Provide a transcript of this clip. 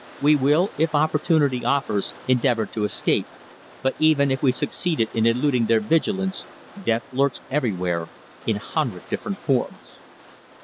We will, if opportunity offers, endeavour to escape, but even if we succeeded in eluding their vigilance death lurks everywhere in a hundred different forms."